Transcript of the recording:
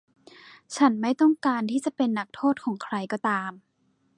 ฉันไม่ต้องการที่จะเป็นนักโทษของใครก็ตาม